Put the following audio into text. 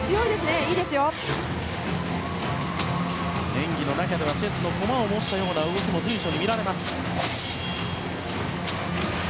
演技の中ではチェスの駒を模したような動きも随所に見られます。